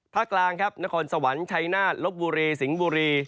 กลางครับนครสวรรค์ชัยนาฏลบบุรีสิงห์บุรี